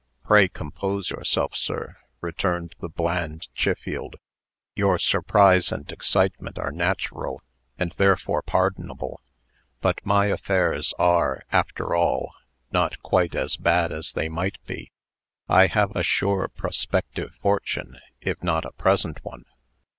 "Pray compose yourself, sir," returned the bland Chiffield. "Your surprise and excitement are natural, and therefore pardonable. But my affairs are, after all, not quite as bad as they might be. I have a sure prospective fortune, if not a present one."